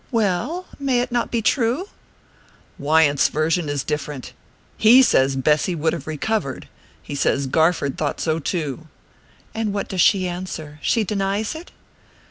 "Well! May it not be true?" "Wyant's version is different. He says Bessy would have recovered he says Garford thought so too." "And what does she answer? She denies it?"